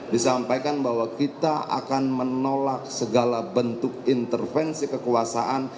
disampaikan bahwa kita akan menolak segala bentuk intervensi kekuasaan